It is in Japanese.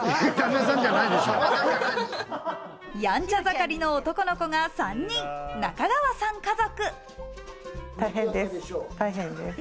やんちゃ盛りの男の子が３人、中川さん家族。